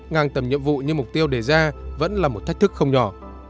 ngang tầm nhiệm vụ như mục tiêu đề ra vẫn là một thách thức không nhỏ